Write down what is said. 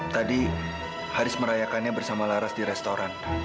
tadi haris merayakannya bersama laras di restoran